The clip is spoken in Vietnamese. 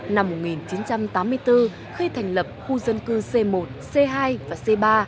năm một nghìn chín trăm tám mươi bốn khi thành lập khu dân cư c một c hai và c ba